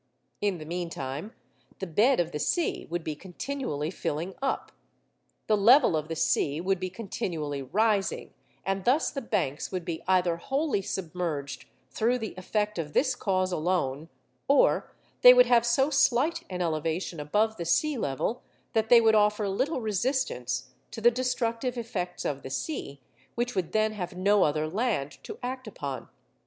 In the meantime, the bed of the sea would be continually filling up, the level of the sea would be continually rising, and thus the banks would be either wholly submerged through the effect of this cause alone, or they would have so slight an elevation above the sea level that they would offer little resistance to the destructive effects of the sea, which would then have no other land to act upon.